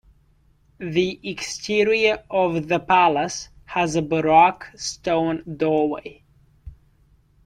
The exterior of the palace has a baroque stone doorway.